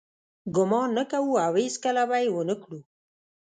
ګمان نه کوو او هیڅکله به یې ونه کړو.